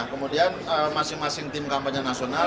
kemudian masing masing tim kampanye nasional